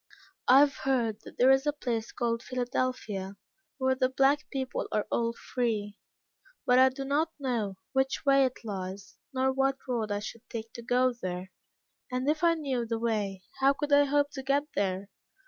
I have heard that there is a place called Philadelphia, where the black people are all free, but I do not know which way it lies, nor what road I should take to go there; and if I knew the way, how could I hope to get there?